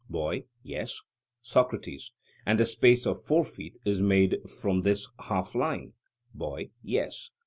BOY: Yes. SOCRATES: And the space of four feet is made from this half line? BOY: Yes.